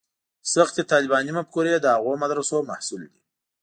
سختې طالباني مفکورې د هغو مدرسو محصول دي.